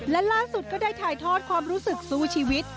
และล่าสุดก็ได้ถ่ายทอดความรู้สึกสู้ชีวิต